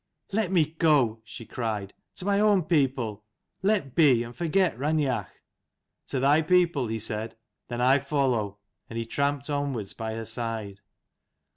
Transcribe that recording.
"Let me go," she cried, "to my own people. Let be, and forget Raineach." "To thy people?" he said ; "then I follow." And he tramped onwards by her side.